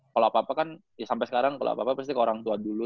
kalau apa apa kan ya sampai sekarang kalau apa apa pasti ke orang tua dulu